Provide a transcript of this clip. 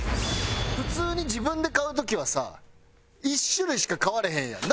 普通に自分で買う時はさ１種類しか買われへんやん。